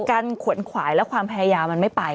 ขวนขวายและความพยายามมันไม่ไป